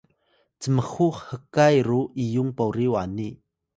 cmxu hkay ru iyung pori wani